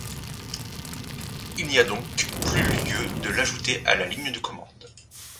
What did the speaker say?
Il n'y a donc plus lieu de l'ajouter à la ligne de commande.